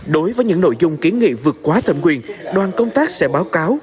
đối với những nội dung kiến nghị vượt quá thẩm quyền đoàn công tác sẽ báo cáo